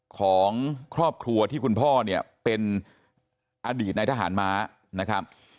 ของครอบครัวที่คุณพ่อเนี่ยเป็นอดีตในทหารม้านะครับ